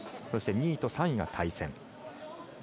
そして、２位と３位が対戦。